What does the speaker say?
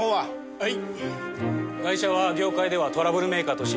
はい。